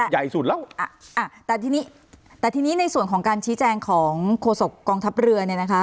ใหญ่สุดแล้วอ่ะแต่ทีนี้แต่ทีนี้ในส่วนของการชี้แจงของโฆษกองทัพเรือเนี่ยนะคะ